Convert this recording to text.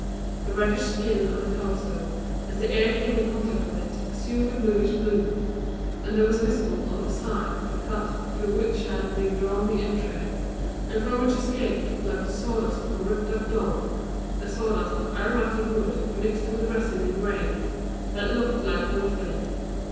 The reddish skin of the torso, as the air came in contact with it, assumed a bluish bloom, and there was visible on the side the cut through which had been drawn the entrails, and from which escaped, like the sawdust of a ripped up doll, the sawdust of aromatic wood mixed with resin in grains that looked like colophony.